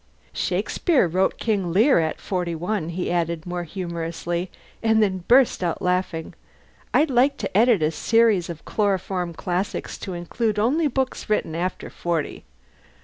"Shakespeare wrote 'King Lear' at forty one," he added, more humorously; and then burst out laughing. "I'd like to edit a series of 'Chloroform Classics,' to include only books written after forty.